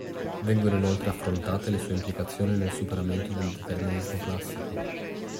Vengono inoltre affrontate le sue implicazioni nel superamento del determinismo classico.